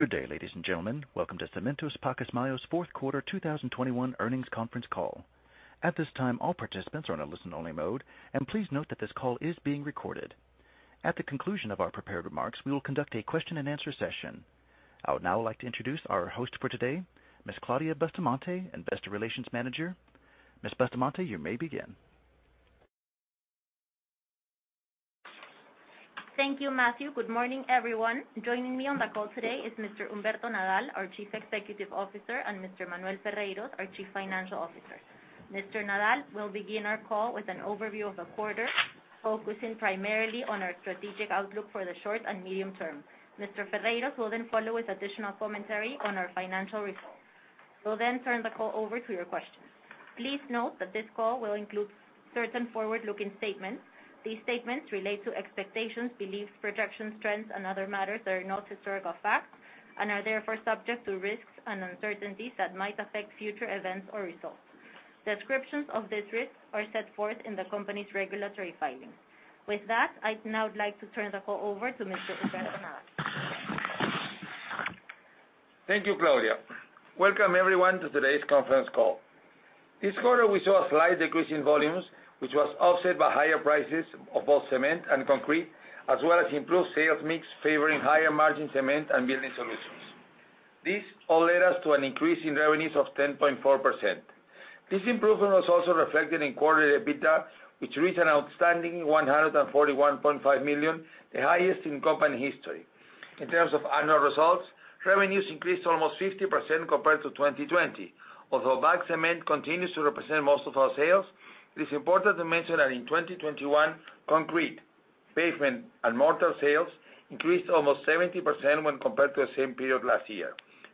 Good day, ladies and gentlemen. Welcome to Cementos Pacasmayo's fourth quarter 2021 earnings conference call. At this time, all participants are on a listen-only mode, and please note that this call is being recorded. At the conclusion of our prepared remarks, we will conduct a question-and-answer session. I would now like to introduce our host for today, Ms. Claudia Bustamante, Investor Relations Manager. Ms. Bustamante, you may begin. Thank you, Matthew. Good morning, everyone. Joining me on the call today is Mr. Humberto Nadal, our Chief Executive Officer, and Mr. Manuel Ferreiros, our Chief Financial Officer. Mr. Nadal will begin our call with an overview of the quarter, focusing primarily on our strategic outlook for the short and medium term. Mr. Ferreiros will then follow with additional commentary on our financial results. We'll then turn the call over to your questions. Please note that this call will include certain forward-looking statements. These statements relate to expectations, beliefs, projections, trends, and other matters that are not historical facts and are therefore subject to risks and uncertainties that might affect future events or results. Descriptions of these risks are set forth in the company's regulatory filings. With that, I'd now like to turn the call over to Mr. Humberto Nadal. Thank you, Claudia. Welcome everyone to today's conference call. This quarter, we saw a slight decrease in volumes, which was offset by higher prices of both cement and concrete, as well as improved sales mix, favoring higher margin cement and building solutions. This all led us to an increase in revenues of 10.4%. This improvement was also reflected in quarterly EBITDA, which reached an outstanding PEN 141.5 million, the highest in company history. In terms of annual results, revenues increased to almost 50% compared to 2020. Although bagged cement continues to represent most of our sales, it is important to mention that in 2021, Concrete, Pavement and Mortar sales increased almost 70% when compared to the same period last year.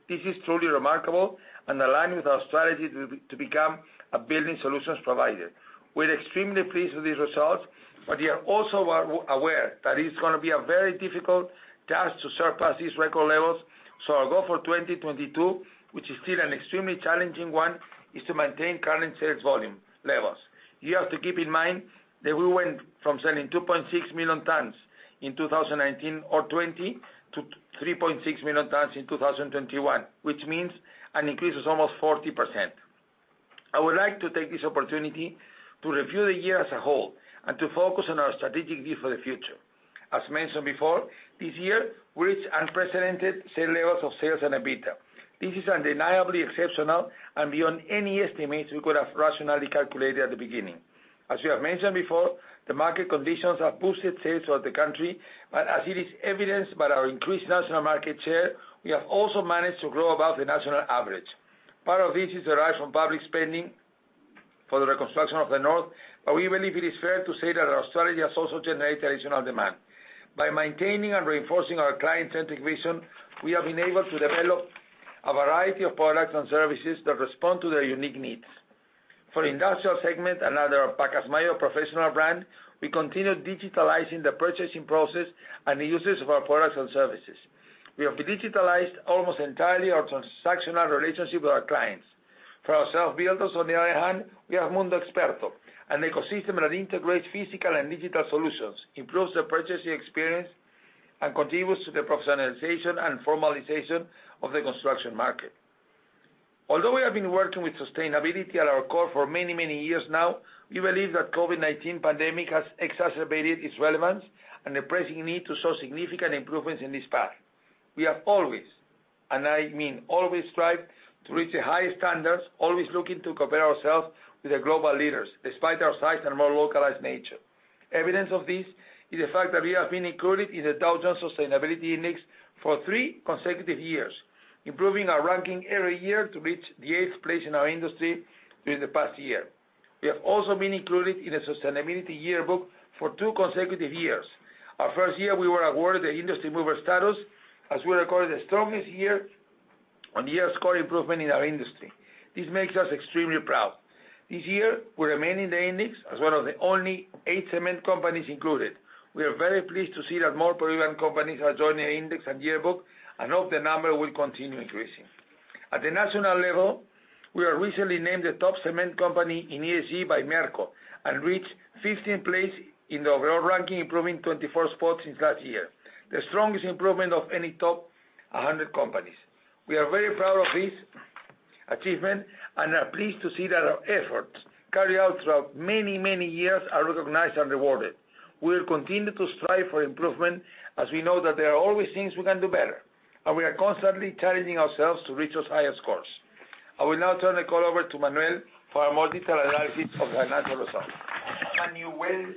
This is truly remarkable and aligned with our strategy to become a building solutions provider. We're extremely pleased with these results, but we are also aware that it is gonna be a very difficult task to surpass these record levels. Our goal for 2022, which is still an extremely challenging one, is to maintain current sales volume levels. You have to keep in mind that we went from selling 2.6 million tons in 2019 or 2020, to 3.6 million tons in 2021, which means an increase of almost 40%. I would like to take this opportunity to review the year as a whole and to focus on our strategic view for the future. As mentioned before, this year, we reached unprecedented sales levels of sales and EBITDA. This is undeniably exceptional and beyond any estimates we could have rationally calculated at the beginning. As we have mentioned before, the market conditions have boosted sales of the country, but as it is evidenced by our increased national market share, we have also managed to grow above the national average. Part of this is derived from public spending for the reconstruction of the North, but we believe it is fair to say that our strategy has also generated additional demand. By maintaining and reinforcing our client-centric vision, we have been able to develop a variety of products and services that respond to their unique needs. For Industrial segment, another Pacasmayo Profesional brand, we continue digitizing the purchasing process and the uses of our Products and Services. We have digitized almost entirely our transactional relationship with our clients. For our self-builders on the other hand, we have Mundo Experto, an ecosystem that integrates physical and digital solutions, improves their purchasing experience, and contributes to the professionalization and formalization of the construction market. Although we have been working with sustainability at our core for many, many years now, we believe that COVID-19 pandemic has exacerbated its relevance and the pressing need to show significant improvements in this path. We have always, and I mean always, strived to reach the highest standards, always looking to compare ourselves with the global leaders, despite our size and more localized nature. Evidence of this is the fact that we have been included in the Dow Jones Sustainability Index for three consecutive years, improving our ranking every year to reach the eighth place in our industry during the past year. We have also been included in the Sustainability Yearbook for two consecutive years. Our first year, we were awarded the Industry Mover status as we recorded the strongest year-over-year score improvement in our industry. This makes us extremely proud. This year, we remain in the index as one of the only eight cement companies included. We are very pleased to see that more Peruvian companies are joining the index and yearbook and hope the number will continue increasing. At the national level, we were recently named the top cement company in ESG by Merco and reached fifteenth place in the overall ranking, improving 24 spots since last year, the strongest improvement of any top 100 companies. We are very proud of this achievement and are pleased to see that our efforts carried out throughout many, many years are recognized and rewarded. We'll continue to strive for improvement as we know that there are always things we can do better, and we are constantly challenging ourselves to reach those higher scores. I will now turn the call over to Manuel for a more detailed analysis of financial results. Manuel.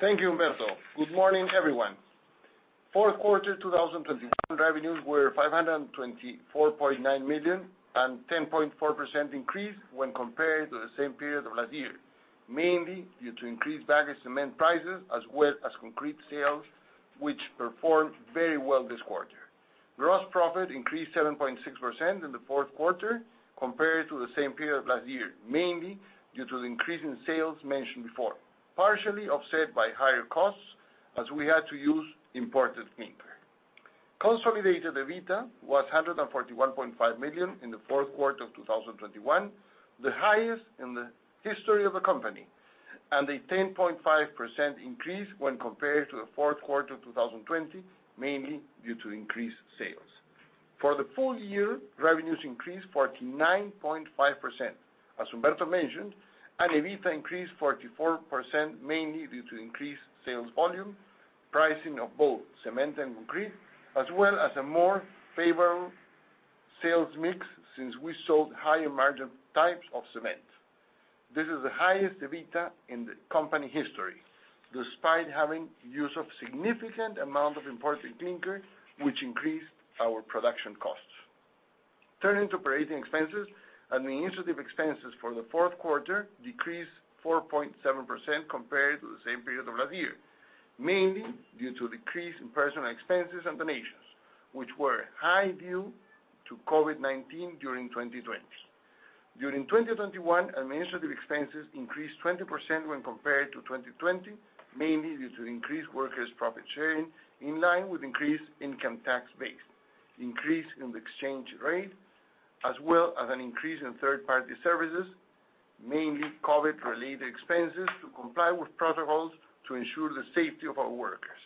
Thank you, Humberto. Good morning, everyone. Fourth quarter 2021 revenues were PEN 524.9 million, a 10.4% increase when compared to the same period of last year, mainly due to increased bagged cement prices as well as concrete sales, which performed very well this quarter. Gross profit increased 7.6% in the fourth quarter compared to the same period of last year, mainly due to the increase in sales mentioned before, partially offset by higher costs as we had to use imported cement. Consolidated EBITDA was PEN 141.5 million in the fourth quarter of 2021, the highest in the history of the company. A 10.5% increase when compared to the fourth quarter of 2020, mainly due to increased sales. For the full-year, revenues increased 49.5%, as Humberto mentioned, and EBITDA increased 44% mainly due to increased sales volume, pricing of both cement and concrete, as well as a more favorable sales mix since we sold higher margin types of cement. This is the highest EBITDA in the company history, despite having use of significant amount of imported clinker, which increased our production costs. Turning to operating expenses, administrative expenses for the fourth quarter decreased 4.7% compared to the same period of last year, mainly due to decrease in personnel expenses and donations, which were high due to COVID-19 during 2020. During 2021, administrative expenses increased 20% when compared to 2020, mainly due to increased workers' profit sharing in line with increased income tax base, increase in the exchange rate, as well as an increase in third-party services, mainly COVID-19-related expenses to comply with protocols to ensure the safety of our workers.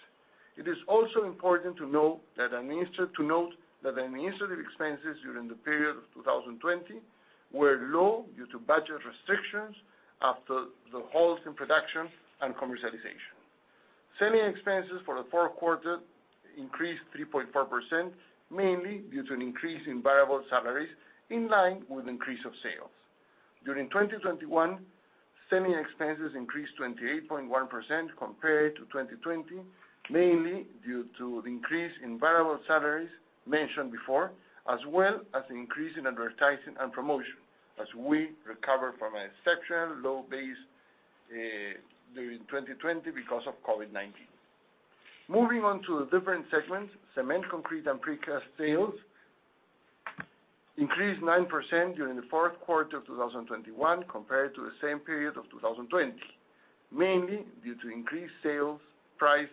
It is also important to note that administrative expenses during the period of 2020 were low due to budget restrictions after the halt in production and commercialization. Selling expenses for the fourth quarter increased 3.4% mainly due to an increase in variable salaries in line with increase of sales. During 2021, selling expenses increased 28.1% compared to 2020, mainly due to the increase in variable salaries mentioned before, as well as increase in advertising and promotion as we recover from an exceptional low base, during 2020 because of COVID-19. Moving on to the different segments, Cement, Concrete, and Precast sales increased 9% during the fourth quarter of 2021 compared to the same period of 2020, mainly due to increased sales price,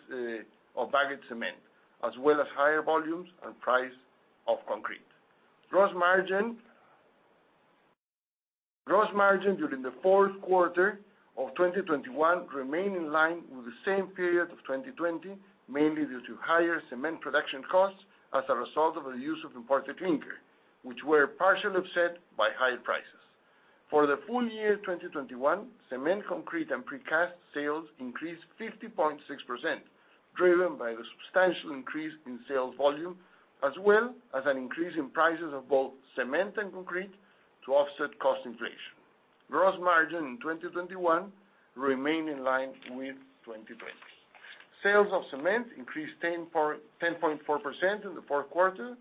of bagged cement, as well as higher volumes and price of concrete. Gross margin during the fourth quarter of 2021 remained in line with the same period of 2020, mainly due to higher cement production costs as a result of the use of imported clinker, which were partially offset by higher prices. For the full-year 2021, cement, concrete, and precast sales increased 50.6%, driven by the substantial increase in sales volume, as well as an increase in prices of both cement and concrete to offset cost inflation. Gross margin in 2021 remained in line with 2020. Sales of cement increased 10.4% in the fourth quarter,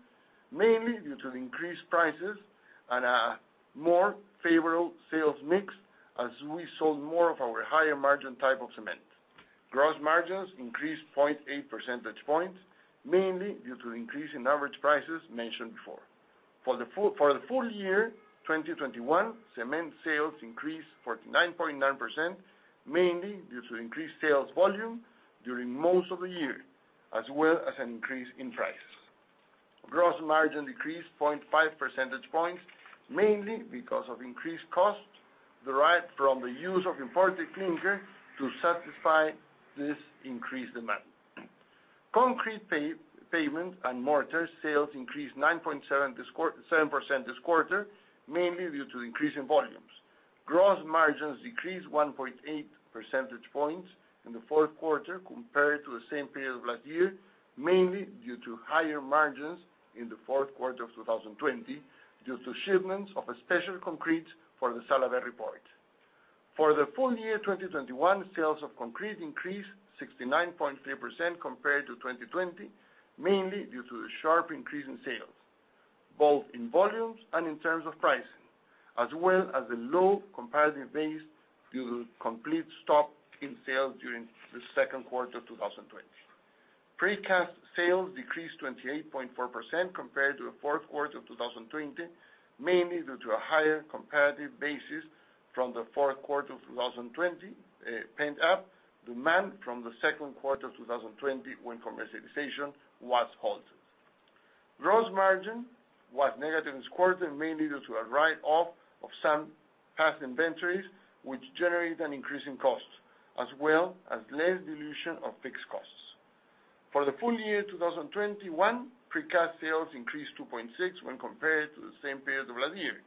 mainly due to increased prices and a more favorable sales mix as we sold more of our higher margin type of cement. Gross margins increased 0.8% points, mainly due to increase in average prices mentioned before. For the full-year 2021, cement sales increased 49.9%, mainly due to increased sales volume during most of the year, as well as an increase in prices. Gross margin decreased 0.5% points, mainly because of increased costs derived from the use of imported clinker to satisfy this increased demand. Concrete pavement and mortar sales increased 9.7% this quarter, mainly due to increase in volumes. Gross margins decreased 1.8% points in the fourth quarter compared to the same period of last year, mainly due to higher margins in the fourth quarter of 2020 due to shipments of a special concrete for the Salaverry Port. For the full-year 2021, sales of concrete increased 69.3% compared to 2020, mainly due to the sharp increase in sales, both in volumes and in terms of pricing, as well as the low comparative base due to complete stop in sales during the second quarter of 2020. Precast sales decreased 28.4% compared to the fourth quarter of 2020, mainly due to a higher comparative basis from the fourth quarter of 2020, pent-up demand from the second quarter of 2020 when commercialization was halted. Gross margin was negative this quarter, mainly due to a write-off of some past inventories, which generated an increase in costs as well as less dilution of fixed costs. For the full-year 2021, precast sales increased 2.6% when compared to the same period of last year,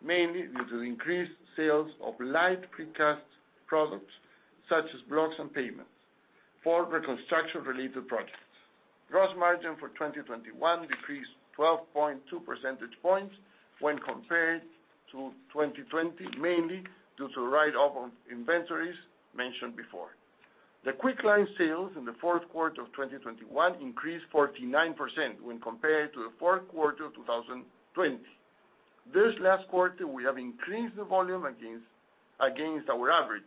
mainly due to increased sales of light precast products such as blocks and pavements for reconstruction-related projects. Gross margin for 2021 decreased 12.2% points when compared to 2020, mainly due to the write-off of inventories mentioned before. The Quicklime sales in the fourth quarter of 2021 increased 49% when compared to the fourth quarter of 2020. This last quarter, we have increased the volume against our average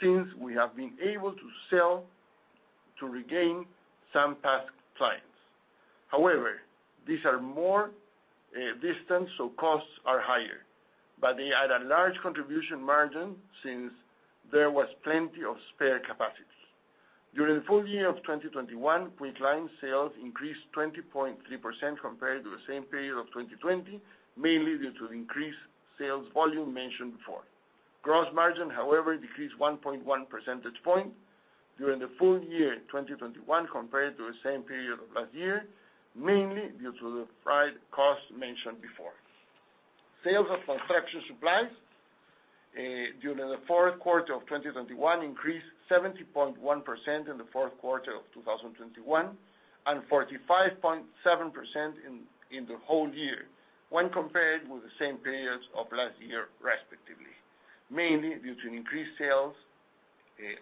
since we have been able to sell to regain some past clients. However, these are more distant, so costs are higher, but they add a large contribution margin since there was plenty of spare capacity. During the full-year of 2021, Quicklime sales increased 20.3% compared to the same period of 2020, mainly due to increased sales volume mentioned before. Gross margin, however, decreased 1.% points during the full-year 2021 compared to the same period of last year, mainly due to the freight costs mentioned before. Sales of construction supplies during the fourth quarter of 2021 increased 70.1% in the fourth quarter of 2021, and 45.7% in the whole year when compared with the same periods of last year, respectively, mainly due to increased sales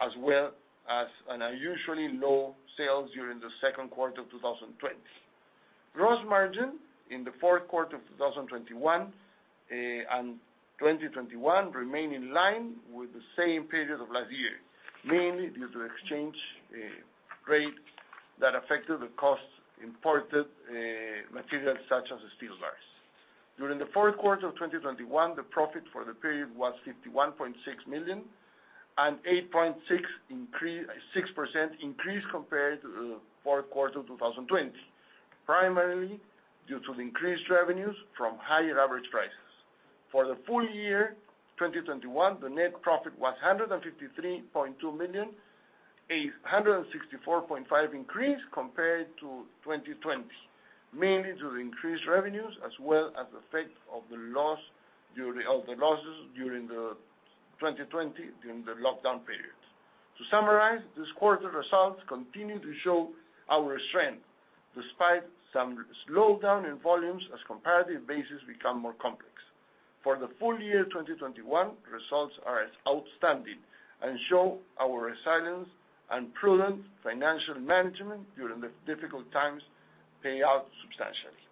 as well as an unusually low sales during the second quarter of 2020. Gross margin in the fourth quarter of 2021 and 2021 remain in line with the same period of last year, mainly due to exchange rate that affected the cost of imported materials such as the steel bars. During the fourth quarter of 2021, the profit for the period was PEN 51.6 million, an 8.6% increase compared to the fourth quarter of 2020, primarily due to the increased revenues from higher average prices. For the full-year 2021, the net profit was PEN 153.2 million, a 164.5% increase compared to 2020, mainly due to increased revenues as well as the effect of the losses during the 2020 lockdown period. To summarize, this quarter results continue to show our strength despite some slowdown in volumes as comparative basis become more complex. For the full-year 2021, results are outstanding and show our resilience and prudent financial management during the difficult times pay out substantially.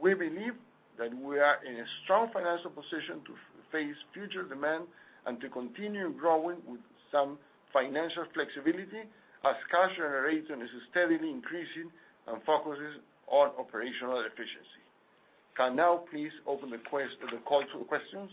We believe that we are in a strong financial position to face future demand and to continue growing with some financial flexibility as cash generation is steadily increasing and focuses on operational efficiency. Can we now please open the call to questions.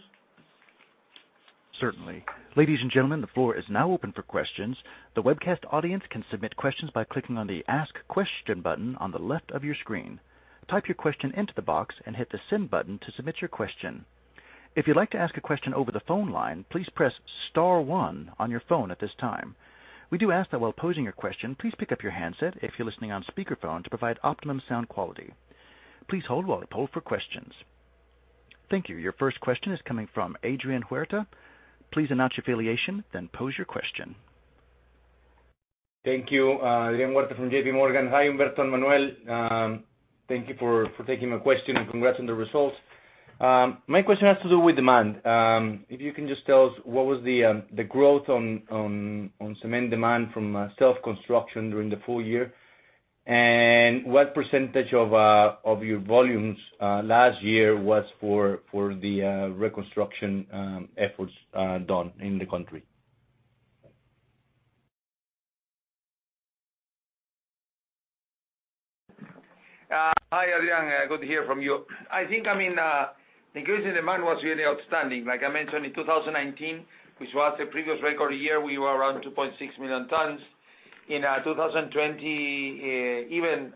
Certainly. Ladies and gentlemen, the floor is now open for questions. The webcast audience can submit questions by clicking on the Ask Question button on the left of your screen. Type your question into the box and hit the Send button to submit your question. If you'd like to ask a question over the phone line, please press Star one on your phone at this time. We do ask that while posing your question, please pick up your handset if you're listening on speakerphone to provide optimum sound quality. Please hold while we poll for questions. Thank you. Your first question is coming from Adrian Huerta. Please announce your affiliation then pose your question. Thank you. Adrian Huerta from JPMorgan. Hi, Humberto and Manuel. Thank you for taking my question, and congrats on the results. My question has to do with demand. If you can just tell us what was the growth on cement demand from self-construction during the full-year? What percentage of your volumes last year was for the reconstruction efforts done in the country? Hi, Adrian. Good to hear from you. I think, I mean, the increase in demand was really outstanding. Like I mentioned, in 2019, which was the previous record year, we were around 2.6 million tons. In 2020, even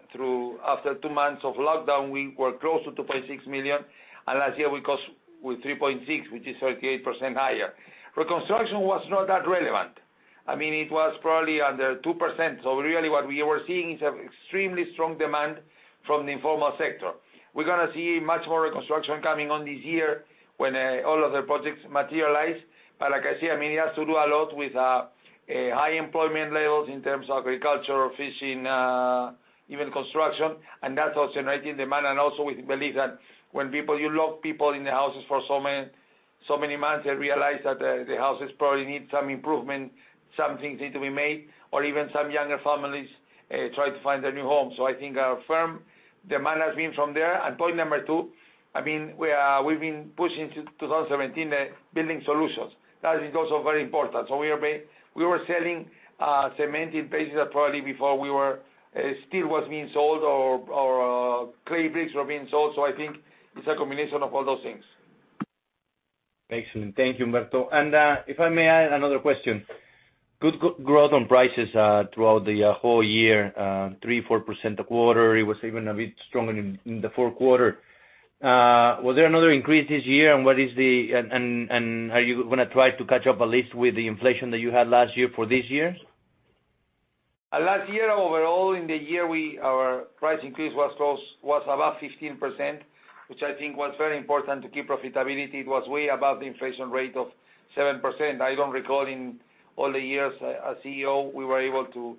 after two months of lockdown, we were close to 2.6 million tons. Last year we closed with 3.6 million tons, which is 38% higher. Reconstruction was not that relevant. I mean, it was probably under 2%. Really what we were seeing is an extremely strong demand from the informal sector. We're gonna see much more reconstruction coming on this year when all of the projects materialize. Like I say, I mean, it has to do a lot with high employment levels in terms of agriculture, fishing, even construction, and that's what's generating demand. Also we believe that when you lock people in the houses for so many months, they realize that the houses probably need some improvement, some things need to be made, or even some younger families try to find a new home. I think our firm demand has been from there. Point Number 2, I mean, we've been pushing since 2017 the building solutions. That is also very important. We were selling cement in places that probably before we were steel was being sold or clay bricks were being sold. I think it's a combination of all those things. Excellent. Thank you, Humberto. If I may add another question. Good growth on prices throughout the whole year. 3%-4% a quarter. It was even a bit stronger in the fourth quarter. Was there another increase this year? Are you gonna try to catch up at least with the inflation that you had last year for this year? Last year, overall, in the year, our price increase was about 15%, which I think was very important to keep profitability. It was way above the inflation rate of 7%. I don't recall in all the years as CEO we were able to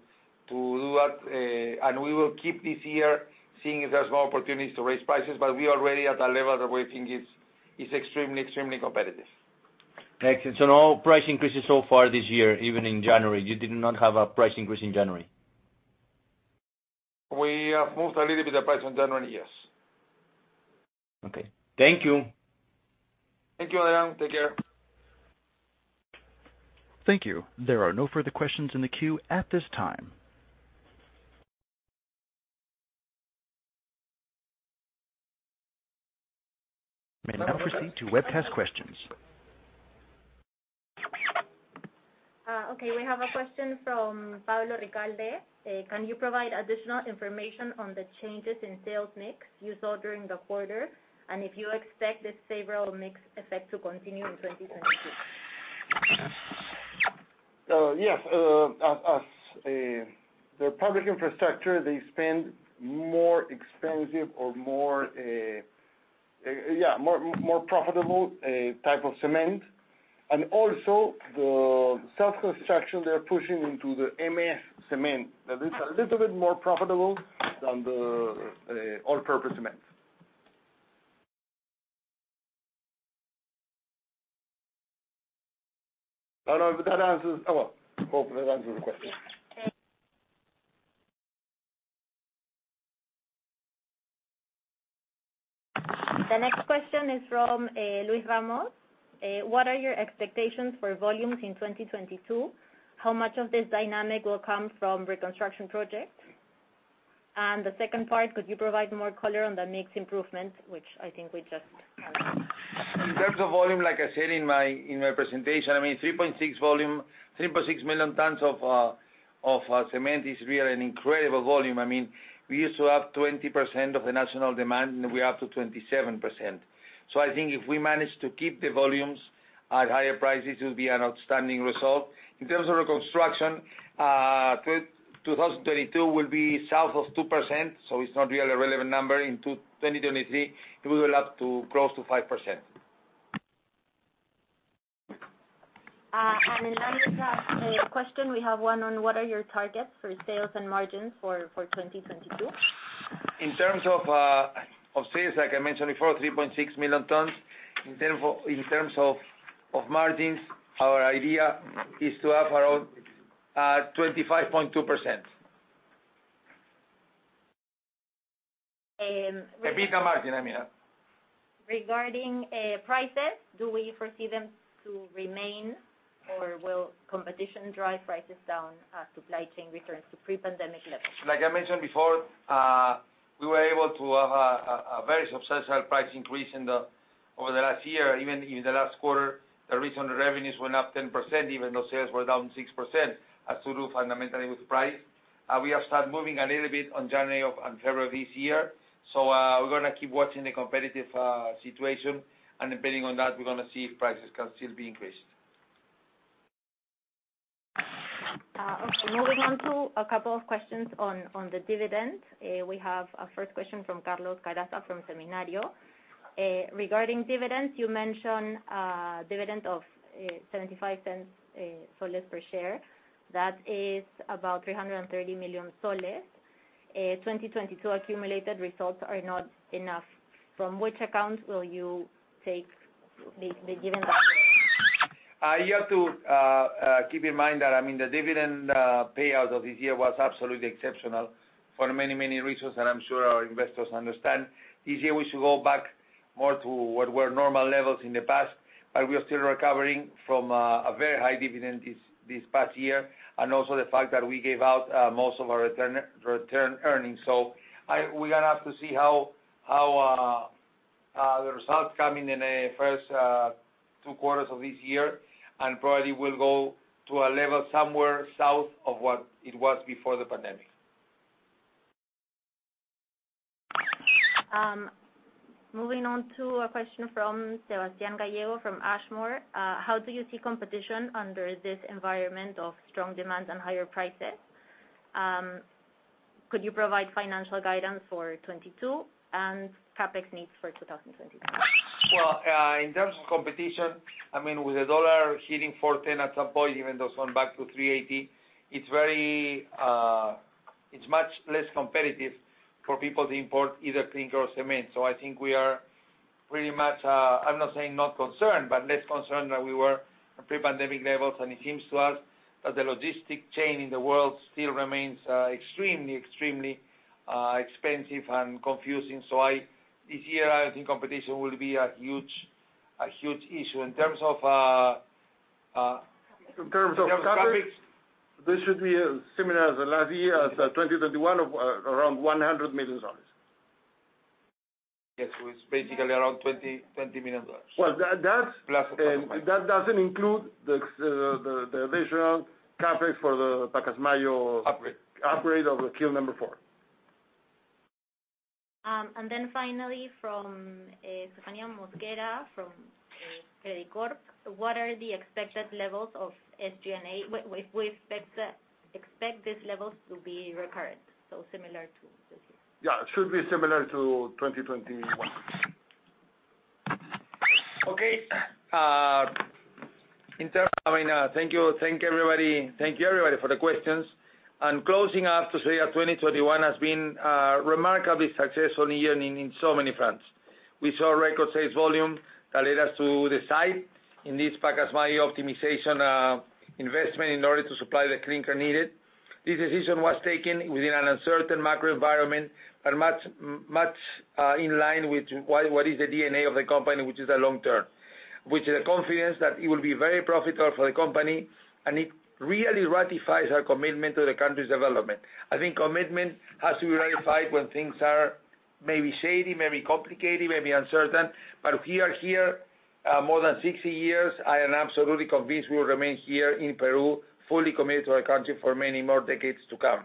do that. We will keep this year seeing if there's more opportunities to raise prices, but we are already at a level that we think is extremely competitive. Excellent. No price increases so far this year, even in January. You did not have a price increase in January? We have moved a little bit of price in January, yes. Okay. Thank you. Thank you, Adrian. Take care. Thank you. There are no further questions in the queue at this time. may now proceed to webcast questions. We have a question from Pablo Recalde. Can you provide additional information on the changes in sales mix you saw during the quarter, and if you expect this favorable mix effect to continue in 2022? Yes. As the public infrastructure, they spend more expensive or more profitable type of cement. Also the self construction, they are pushing into the MF cement that is a little bit more profitable than the all-purpose cement. I don't know if that answers the question. Well, hopefully that answers the question. The next question is from Luis Ramos. What are your expectations for volumes in 2022? How much of this dynamic will come from reconstruction projects? The second part, could you provide more color on the mix improvement, which I think we just covered. In terms of volume, like I said in my presentation, I mean, 3.6 million tons of cement is really an incredible volume. I mean, we used to have 20% of the national demand, and we're up to 27%. I think if we manage to keep the volumes at higher prices, it will be an outstanding result. In terms of reconstruction, 2022 will be south of 2%, so it's not really a relevant number. In 2023, it will be up to close to 5%. The last question we have one on what are your targets for sales and margin for 2022? In terms of sales, like I mentioned before, 3.6 million tons. In terms of margins, our idea is to have around 25.2%. And re- EBITDA margin, I mean. Regarding prices, do we foresee them to remain or will competition drive prices down as supply chain returns to pre-pandemic levels? Like I mentioned before, we were able to have a very successful price increase over the last year. Even in the last quarter, the recent revenues went up 10%, even though sales were down 6%. It has to do fundamentally with price. We have started moving a little bit on January and February this year. We're gonna keep watching the competitive situation, and depending on that, we're gonna see if prices can still be increased. Okay. Moving on to a couple of questions on the dividend. We have a first question from Carlos Carazo from Seminario. Regarding dividends, you mentioned a dividend of 75 cents soles per share. That is about PEN 330 million. 2022 accumulated results are not enough. From which account will you take the given dividend? You have to keep in mind that, I mean, the dividend payout of this year was absolutely exceptional for many reasons, and I'm sure our investors understand. This year we should go back more to what were normal levels in the past, but we are still recovering from a very high dividend this past year, and also the fact that we gave out most of our retained earnings. We're gonna have to see how the results coming in the first two quarters of this year, and probably we'll go to a level somewhere south of what it was before the pandemic. Moving on to a question from Sebastian Gallego from Ashmore. How do you see competition under this environment of strong demand and higher prices? Could you provide financial guidance for 2022 and CapEx needs for 2023? Well, in terms of competition, I mean, with the dollar hitting 4.10 at some point, even though it's gone back to 3.80, it's much less competitive for people to import either clinker or cement. I think we are pretty much, I'm not saying not concerned, but less concerned than we were at pre-pandemic levels. It seems to us that the logistic chain in the world still remains extremely expensive and confusing. I, this year I think competition will be a huge issue. In terms of, In terms of CapEx, this should be similar to the last year, as 2021, around PEN 100 million. Yes. It's basically around $20 million. Well, that's Plus or minus. That doesn't include the additional CapEx for the Pacasmayo- Upgrade. Upgrade of the kiln number four. Finally from Steffania Mosquera from Credicorp. What are the expected levels of SG&A? We expect these levels to be recurrent, so similar to this year. Yeah, it should be similar to 2021. Thank you, everybody, for the questions. Closing up, just say that 2021 has been a remarkably successful year in so many fronts. We saw record sales volume that led us to decide in this Pacasmayo optimization investment in order to supply the clinker needed. This decision was taken within an uncertain macro environment and much in line with what is the DNA of the company, which is the long-term. With the confidence that it will be very profitable for the company, and it really ratifies our commitment to the country's development. I think commitment has to be ratified when things are maybe shady, maybe complicated, maybe uncertain. We are here more than 60 years. I am absolutely convinced we will remain here in Peru, fully committed to our country for many more decades to come.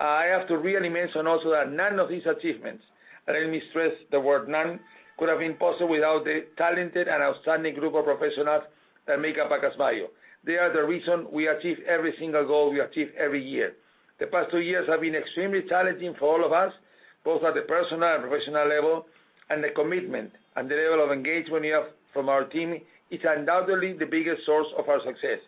I have to really mention also that none of these achievements, and let me stress the word none, could have been possible without the talented and outstanding group of professionals that make up Pacasmayo. They are the reason we achieve every single goal every year. The past two years have been extremely challenging for all of us, both at the personal and professional level, and the commitment and the level of engagement we have from our team is undoubtedly the biggest source of our success.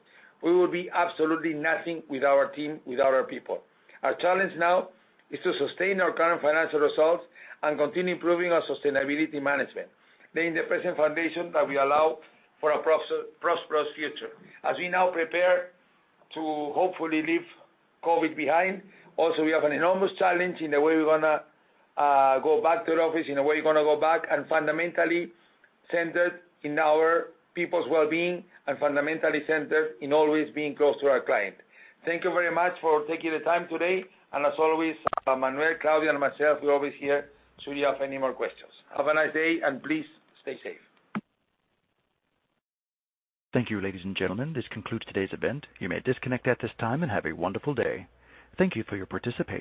We would be absolutely nothing without our team, without our people. Our challenge now is to sustain our current financial results and continue improving our sustainability management, laying the present foundation that will allow for a prosperous future. As we now prepare to hopefully leave COVID behind, also we have an enormous challenge in the way we're gonna go back to the office, in the way we're gonna go back and fundamentally centered in our people's wellbeing and fundamentally centered in always being close to our client. Thank you very much for taking the time today. As always, Manuel, Claudia, and myself, we're always here should you have any more questions. Have a nice day, and please stay safe. Thank you, ladies and gentlemen. This concludes today's event. You may disconnect at this time, and have a wonderful day. Thank you for your participation.